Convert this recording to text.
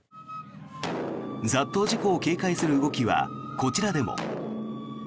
雑踏事故を警戒する動きはこちらでも。